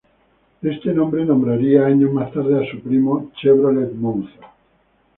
Este nombre nombraría años más tarde a su primo Chevrolet Monza.